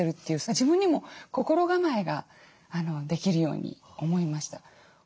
自分にも心構えができるように思いました。